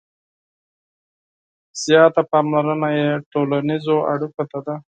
• زیاته پاملرنه یې ټولنیزو اړیکو ته ده.